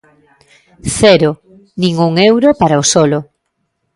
¡Cero!, ¡nin un euro para o solo!